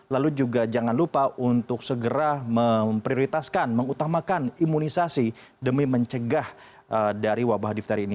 lalu juga jangan lupa untuk segera memprioritaskan mengutamakan imunisasi demi mencegah dari wabah difteri ini